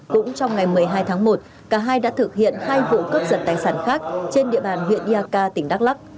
cũng trong ngày một mươi hai tháng một cả hai đã thực hiện hai vụ cướp giật tài sản khác trên địa bàn huyện yaka tỉnh đắk lắc